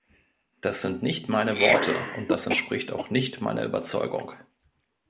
Das sind nicht meine Worte, und das entspricht auch nicht meiner Überzeugung.